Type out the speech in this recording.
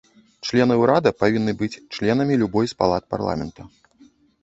Члены ўрада павінны быць членамі любой з палат парламента.